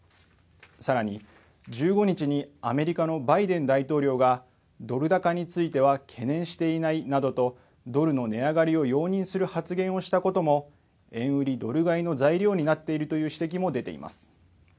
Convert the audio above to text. さらに１５日にアメリカのバイデン大統領がドル高については懸念していないなどとドルの値上がりを容認する発言をしたことも円売りドル買いの材料になっているという指摘も出ています。